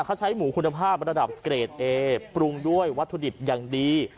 เขาใช้หมูคุณภาพระดับเกรดเอปรุงด้วยวัตถุดิบอย่างดี